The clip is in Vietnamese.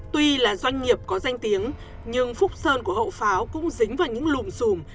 tuy là doanh nghiệp có danh tiếng nhưng phúc sơn của hậu pháo cũng dính vào những lùm xùm